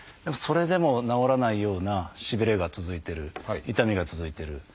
それでも治らないようなしびれが続いてる痛みが続いてる。